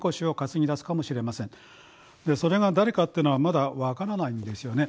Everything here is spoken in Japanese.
それが誰かってのはまだ分からないんですよね。